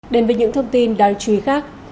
đến với những thông tin đáng chú ý khác